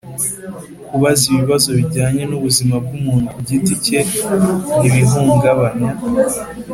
kubaza ibibazo bijyanye n‘ubuzima bw‘umuntu ku giti cye ntibihungabanya